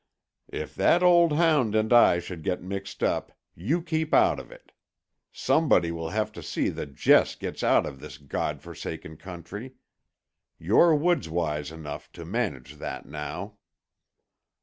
"If that old hound and I should get mixed up, you keep out of it. Somebody will have to see that Jess gets out of this God forsaken country. You're woods wise enough to manage that now."